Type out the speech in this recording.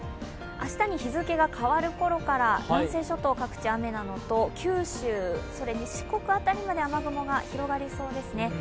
明日に日付が変わるころから南西各地雨なのと九州、四国辺りまで雨雲が広がりそうですね。